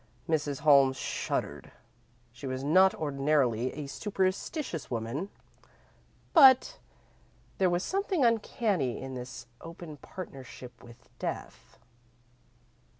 Mrs. Holmes shuddered. She was not ordinarily a superstitious woman, but there was something uncanny in this open partnership with Death.